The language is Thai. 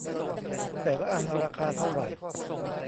แต่ละอันราคาเท่าไหร่ ?